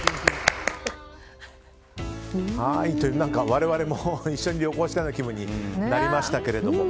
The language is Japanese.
我々も一緒に旅行したような気分になりましたけど。